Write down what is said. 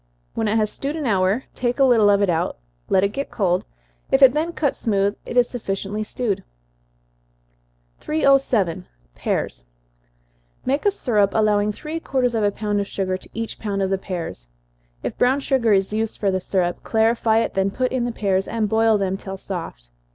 When it has stewed an hour, take a little of it out, let it get cold if it then cuts smooth, it is sufficiently stewed. 307. Pears. Make a syrup, allowing three quarters of a pound of sugar to each pound of the pears. If brown sugar is used for the syrup, clarify it, then put in the pears, and boil them till soft.